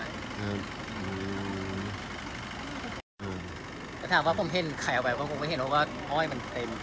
ถ้าผมเห็นขายออกไปก็ไม่เห็นรอบร้อยมันเต็ม